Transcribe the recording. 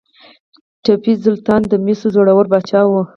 ټیپو سلطان د میسور زړور پاچا و.